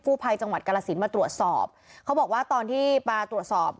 ภัยจังหวัดกรสินมาตรวจสอบเขาบอกว่าตอนที่มาตรวจสอบ